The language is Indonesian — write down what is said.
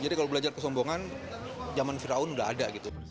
jadi kalau belajar kesombongan zaman fir'aun sudah ada